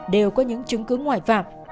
đều có những chứng cứ ngoại phạm